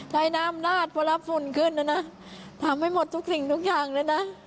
ใช้น้ำลาดพอรับฝุ่นขึ้นนะนะทำให้หมดทุกสิ่งทุกอย่างเลยนะ